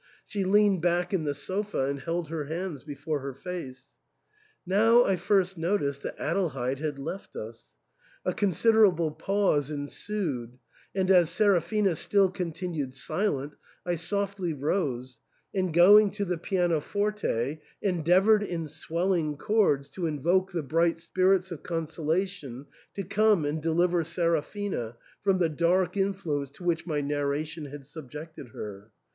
She leaned back in the sofa and held her hands before her face. Now I first noticed that Adelheid had left us. A considerable pause ensued, and as Seraphina still con tinued silent, I softly rose, and going to the pianoforte, endeavoured in swelling chords to invoke the bright spirits of consolation to come and deliver Seraphina from the dark influence to which my narration had subjected her.